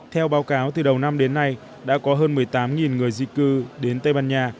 theo báo cáo từ đầu năm đến nay đã có hơn một mươi tám người di cư đến tây ban nha